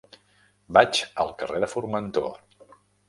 Vaig al carrer de Formentor.